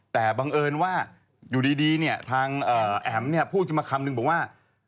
แต่บังเอิญว่าอยู่ดีเนี่ยทางแอ๋มพูดขึ้นมาคำนึงบอกว่า